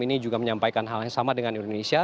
ini juga menyampaikan hal yang sama dengan indonesia